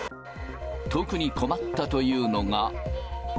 特に困ったというのが。